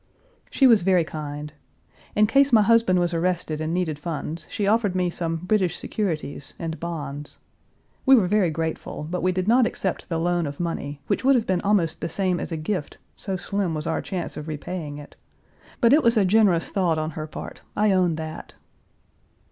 She was very kind. In case my husband was arrested and needed funds, she offered me some "British securities" and bonds. We were very grateful, but we did not accept the loan of money, which would have been almost the same as a gift, so slim was our chance of repaying it. But it was a generous thought on her part; I own that.